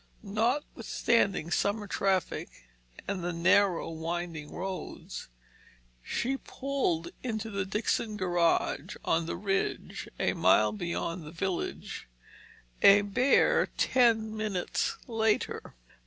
Not withstanding summer traffic and the narrow, winding roads, she pulled into the Dixon garage on the ridge a mile beyond the village, a bare ten minutes later.